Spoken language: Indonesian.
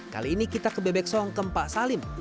kali ini kita ke bebek songkem pak salim